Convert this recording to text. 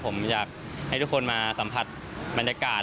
ผมอยากให้ทุกคนมาสัมผัสบรรยากาศ